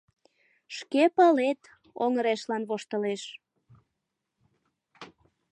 Шке палет, — оҥырешлен воштылеш.